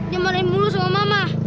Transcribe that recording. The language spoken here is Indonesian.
dimarahin mulu sama mama